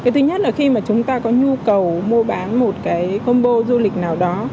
thứ nhất là khi chúng ta có nhu cầu mua bán một combo du lịch nào đó